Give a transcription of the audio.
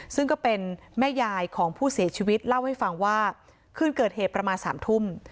ซึ่งก็เป็นแม่ยายของผู้เสียชีวิตเล่าให้ฟังว่าคืนเกิดเหตุประมาณ๓ทุ่ม